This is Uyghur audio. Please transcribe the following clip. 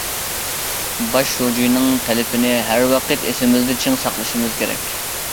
باش شۇجىنىڭ تەلىپىنى ھەر ۋاقىت ئېسىمىزدە چىڭ ساقلىشىمىز كېرەك.